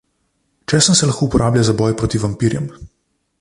Česen se lahko uporablja za boj proti vampirjem.